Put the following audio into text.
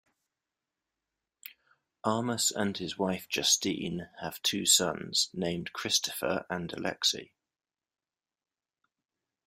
Armas and his wife, Justine, have two sons, named Christopher and Aleksei.